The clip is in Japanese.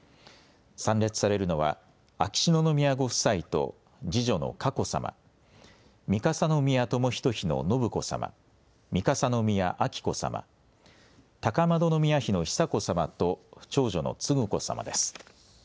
参列されるのは秋篠宮ご夫妻と次女の佳子さま、三笠宮寛仁妃の信子さま、三笠宮彬子さま、高円宮妃の久子さまと長女の承子さまです。